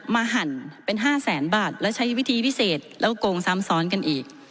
หั่นเป็น๕แสนบาทแล้วใช้วิธีพิเศษแล้วก็โกงซ้ำซ้อนกันอีก